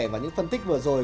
và những phân tích vừa rồi